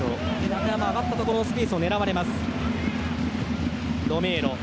中山が上がったところスペースを狙われました。